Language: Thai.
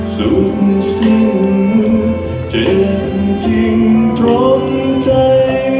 สุขสิ้นเจ็บจริงพร้อมใจ